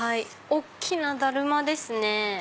大きなだるまですね。